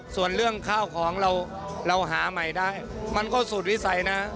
ส่วนเรื่องข้าวของเราเราหาใหม่ได้มันก็สูตรวิสัยนะ